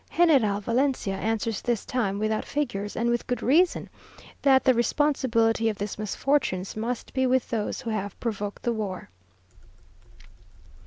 General Valencia answers this time without figures, and with good reason, that the responsibility of these misfortunes must be with those who have provoked the war.